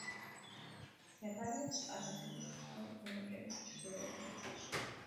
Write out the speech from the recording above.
მდებარეობს ყაზახეთის წვრილგორაკების ჩრდილოეთ ნაწილში.